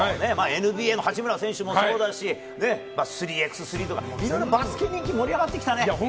ＮＢＡの八村選手もそうだし、３ｘ３とかバスケ人気も盛り上がってきたね。